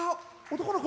男の子。